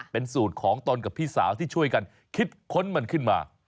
เป็นสูตรของตนกับพี่สาวที่ช่วยกันคิดค้นมันขึ้นมา